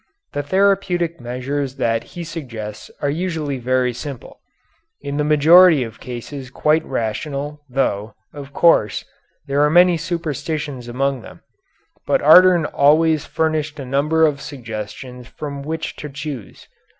The therapeutic measures that he suggests are usually very simple, in the majority of cases quite rational, though, of course, there are many superstitions among them; but Ardern always furnished a number of suggestions from which to choose.